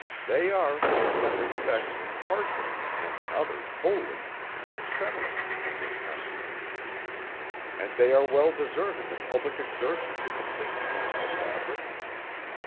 They are, in some respects, partially, and in others wholly, new Settlers, in this Country; and they are well deserving of public exertion to complete the useful fabric.